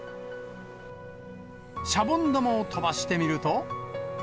シャボン玉を飛ばしてみると。